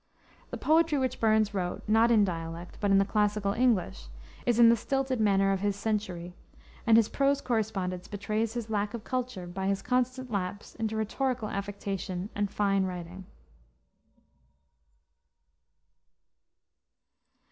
The poetry which Burns wrote, not in dialect, but in the classical English, is in the stilted manner of his century, and his prose correspondence betrays his lack of culture by his constant lapse into rhetorical affectation and fine writing.